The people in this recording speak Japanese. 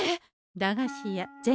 駄菓子屋銭